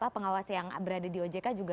pengawas yang berada di ojk juga